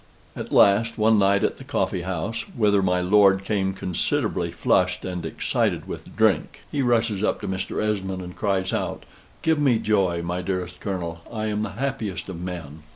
At last, one night at the coffee house, whither my lord came considerably flushed and excited with drink, he rushes up to Mr. Esmond, and cries out "Give me joy, my dearest Colonel; I am the happiest of men."